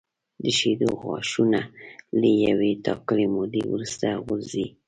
د شېدو غاښونه له یوې ټاکلې مودې وروسته غورځي.